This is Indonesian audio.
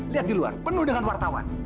lihat di luar penuh dengan wartawan